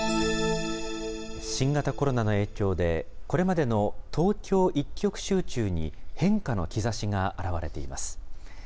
新型コロナの影響で、これまでの東京一極集中に変化の兆しが現れています。